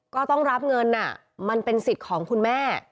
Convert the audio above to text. ก็ต้องรับเงินมันเป็นสิทธิ์ของคุณแม่